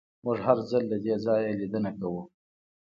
موږ هر ځل له دې ځایه لیدنه کوو